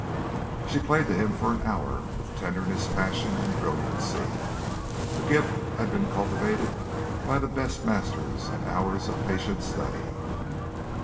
She played to him for an hour, with tenderness, passion, and brilliancy. A gift had been cultivated by the best masters and hours of patient study.